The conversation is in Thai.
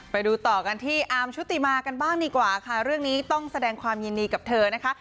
ไปดูต่อกันที่อาร์มชุติมากันบ้างดีกว่าค่ะเรื่องนี้ต้องแสดงความยินดีกับเธอนะคะ